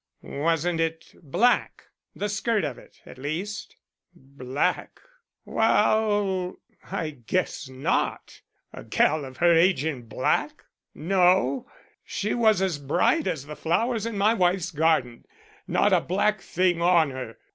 "Wasn't it black? the skirt of it, at least?" "Black? Wa'al, I guess not. A gal of her age in black! No, she was as bright as the flowers in my wife's garden. Not a black thing on her.